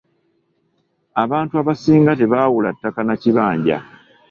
Abantu abasinga tebaawula ttaka na kibanja.